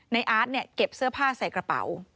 อาร์ตเนี่ยเก็บเสื้อผ้าใส่กระเป๋า